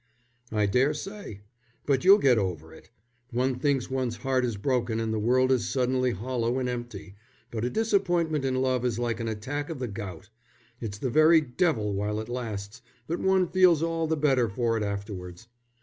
"I daresay, but you'll get over it. One thinks one's heart is broken and the world is suddenly hollow and empty, but a disappointment in love is like an attack of the gout. It's the very devil while it lasts, but one feels all the better for it afterwards.